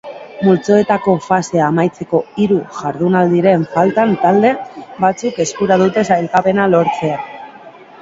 Multzoetako fasea amaitzeko hiru jardunaldiren faltan talde batzuk eskura dute sailkapena lortzea.